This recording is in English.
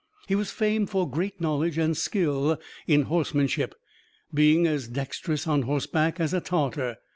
He was famed for great knowledge and skill in horsemanship, being as dexterous on horseback as a Tartar.